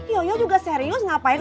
yoyoh juga serius ngapain